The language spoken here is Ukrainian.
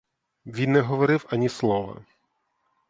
Він не говорив ані слова.